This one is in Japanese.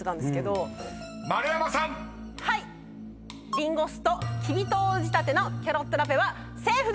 リンゴ酢ときび糖仕立てのキャロットラペはセーフです。